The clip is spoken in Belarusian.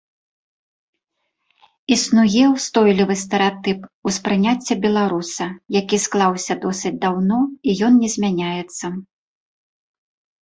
Існуе ўстойлівы стэрэатып успрыняцця беларуса, які склаўся досыць даўно, і ён не змяняецца.